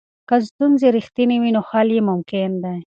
که ستونزې رښتینې وي نو حل یې ممکن دی.